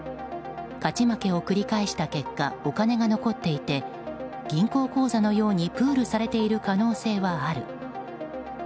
勝ち負けを繰り返した結果お金が残っていて銀行口座のようにプールされている可能性はある。